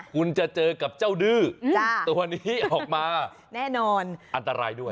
คุณจะเจอกับเจ้าดื้อตัวนี้ออกมาแน่นอนอันตรายด้วย